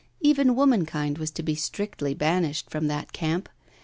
Even womankind was to be strictly banished from that camp.